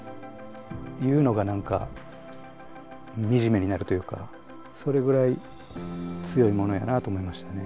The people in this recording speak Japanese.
言うのが何か惨めになるというかそれぐらい強いものやなと思いましたね。